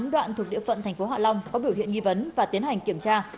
đoạn thuộc địa phận thành phố hạ long có biểu hiện nghi vấn và tiến hành kiểm tra